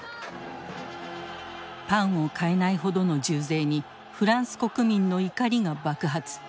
パンを買えないほどの重税にフランス国民の怒りが爆発。